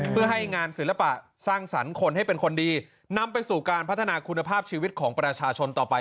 เพื่อให้งานศิลปะสร้างสรรค์คนให้เป็นคนดีนำไปสู่การพัฒนาคุณภาพชีวิตของประชาชนต่อไป